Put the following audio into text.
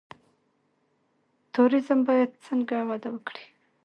توریزم باید څنګه وده وکړي؟